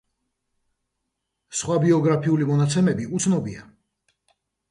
სხვა ბიოგრაფიული მონაცემები უცნობია.